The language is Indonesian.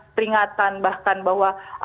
peringatan bahkan bahwa